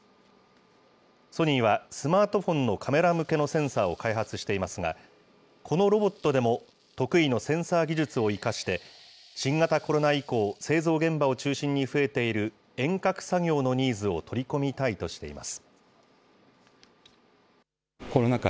ソニーは、スマートフォンのカメラ向けのセンサーを開発していますが、このロボットでも、得意のセンサー技術を生かして、新型コロナ以降、製造現場を中心に増えている遠隔作業のニーズを取り込みたいとしています。